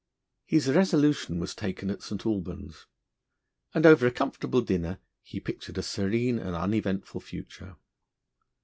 His resolution was taken at St. Albans, and over a comfortable dinner he pictured a serene and uneventful future.